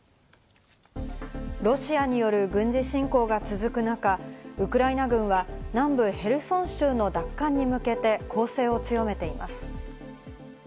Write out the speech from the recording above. ロシアによる軍事侵攻が続く中、ウクライナ軍は南部ヘルソン州の奪還に向けて攻勢を強めています。